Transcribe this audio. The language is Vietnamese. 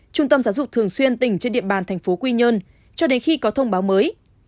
trung tâm giáo dục thường xuyên tỉnh trên địa bàn thành phố quy nhơn cho đến khi có thông báo mới